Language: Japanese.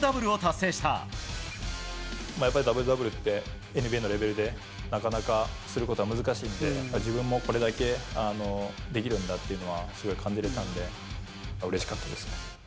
やっぱりダブルダブルって、ＮＢＡのレベルでなかなかすることは難しいんで、やっぱり自分もこれだけ、できるんだっていうのはすごい感じられたんで、うれしかったですね。